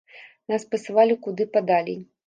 Нас пасылалі куды падалей.